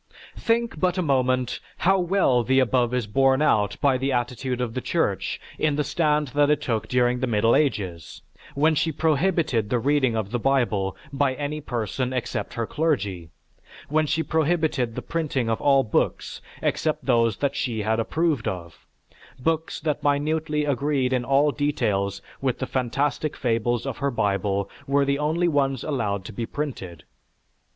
Think but a moment how well the above is borne out by the attitude of the Church in the stand that it took during the Middle Ages, when she prohibited the reading of the Bible by any person except her clergy. When she prohibited the printing of all books except those that she approved of; books that minutely agreed in all details with the phantastic fables of her Bible were the only ones allowed to be printed.